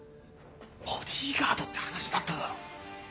ボディーガードって話だっただろ。